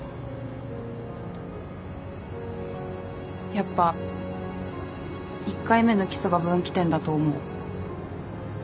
やっぱ１回目のキスが分岐点だと思う。